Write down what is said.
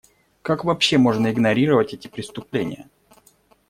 Как вообще можно игнорировать эти преступления?